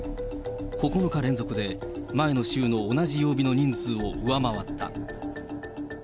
９日連続で前の週の同じ曜日の人数を上回った。